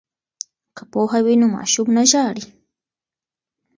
که پوهه وي نو ماشوم نه ژاړي.